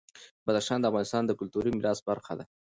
بدخشان د افغانستان د کلتوري میراث برخه ده.